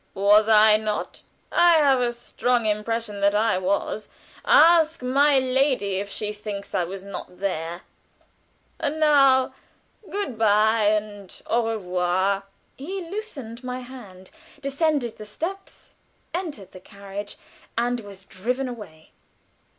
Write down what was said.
"Was I not? I have a strong impression that I was. Ask my lady if she thinks I was there. And now good bye, and au revoir!" He loosened my hand, descended the steps, entered the carriage, and was driven away.